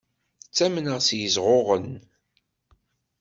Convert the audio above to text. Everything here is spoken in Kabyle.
Ttamneɣ s yiẓɣuɣen.